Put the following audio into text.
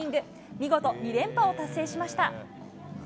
見事２連覇を達成しました。